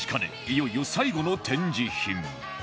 いよいよ最後の展示品